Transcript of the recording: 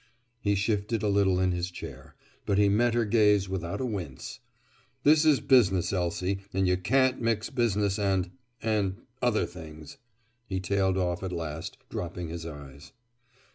He shifted a little in his chair. But he met her gaze without a wince. "This is business, Elsie, and you can't mix business and—and other things," he tailed off at last, dropping his eyes.